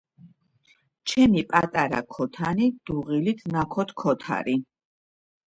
ჩემი პატარა ქოთანი დუღილით ნაქოთქოთარი